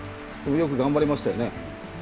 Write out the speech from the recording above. よく頑張りましたよね。